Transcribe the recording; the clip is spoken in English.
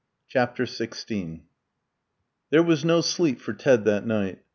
CHAPTER XVI There was no sleep for Ted that night.